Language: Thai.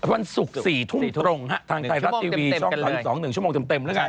วันศุกร์๔ทุ่มตรงทางไทยรัฐทีวีช่อง๓๒๑ชั่วโมงเต็มแล้วกัน